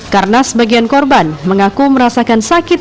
karena sebagian korban mengaku merasakan sakit